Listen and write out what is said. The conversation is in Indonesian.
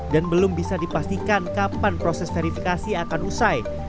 dan belum bisa dipastikan kapan proses verifikasi akan usai